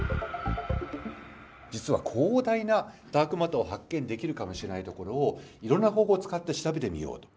実は広大なダークマターを発見できるかもしれないところをいろんな方法を使って調べてみようと。